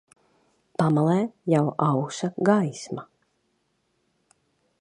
Pamalē jau ausa gaisma